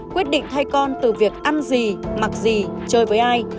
quyết định thay con từ việc ăn gì mặc gì chơi với ai